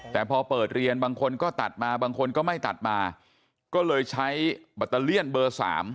แต่พอเปิดเรียนบางคนก็ตัดมาบางคนก็ไม่ตัดมาก็เลยใช้แบตเตอเลี่ยนเบอร์๓